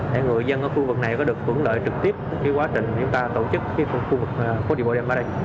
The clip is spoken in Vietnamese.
để người dân ở khu vực này có được tưởng lợi trực tiếp quá trình chúng ta tổ chức khu vực khu đi bộ đêm ở đây